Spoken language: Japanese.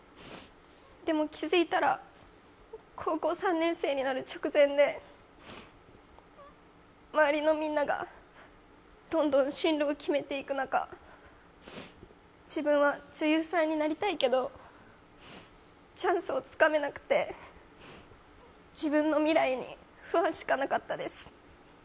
でも気づいたら高校３年生になる直前で周りのみんながどんどん進路を決めていく中、自分は女優さんになりたいけどチャンスをつかめなくて自分の未来に不安しかなかったです。